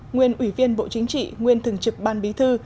nguyên ủy viên bộ chính trị nguyên thường trực ban bí thư